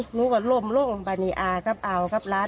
หนูก็ลมลุงบรรยาทรัพย์เอารัฐรัฐ